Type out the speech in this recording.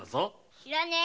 知らねえ。